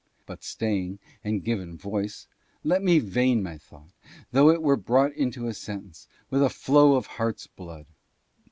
But staying, and given voice, let me vein my thought, though it were brought into a sentence, with flow of heart's blood.